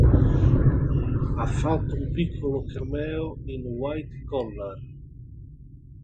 Ha fatto un piccolo cameo in "White Collar".